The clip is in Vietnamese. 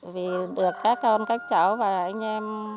vì được các con các cháu và anh em